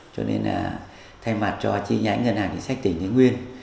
cho nên là thay mặt cho chi nhánh ngân hàng chính sách tỉnh nguyên